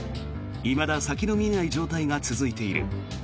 いまだ先の見えない状態が続いている。